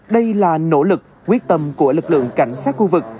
đây là nỗ lực quyết tâm của lực lượng cảnh sát khu vực